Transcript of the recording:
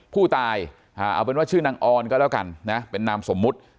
ผู้ตายเอาเป็นว่าชื่อนางออนก็แล้วกันนะเป็นนามสมมุติ